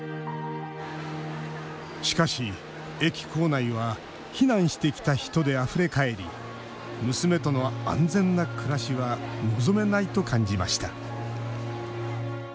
しかし、駅構内は避難してきた人であふれ返り娘との安全な暮らしは望めないと感じました。